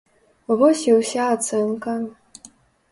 Вось і ўся ацэнка.